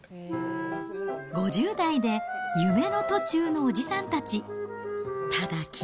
５０代で夢の途中のおじさんたち。